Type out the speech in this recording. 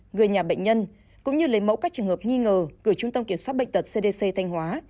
người nhà bệnh nhân cũng như lấy mẫu các trường hợp nghi ngờ gửi trung tâm kiểm soát bệnh tật cdc thanh hóa